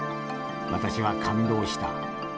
私は感動した。